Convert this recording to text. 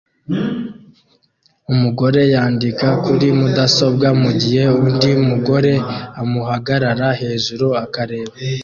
Umugore yandika kuri mudasobwa mugihe undi mugore amuhagarara hejuru akareba